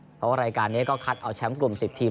เพราะว่ารายการนี้ก็คัดเอาแชมป์กลุ่ม๑๐ทีม